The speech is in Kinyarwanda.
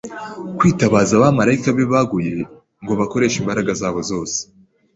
kwitabaza abamarayika be baguye ngo bakoreshe imbaraga zabo zose